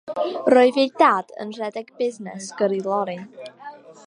Roedd ei dad yn rhedeg busnes gyrru lorri.